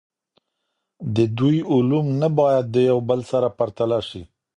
د دوی علوم نه باید د یو بل سره پرتله سي.